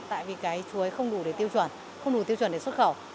tại vì cái chuối không đủ để tiêu chuẩn không đủ tiêu chuẩn để xuất khẩu